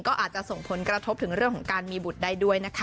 ก็อาจจะส่งผลกระทบถึงเรื่องของการมีบุตรได้ด้วยนะคะ